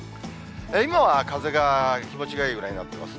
今は風が気持ちがいいぐらいになってます。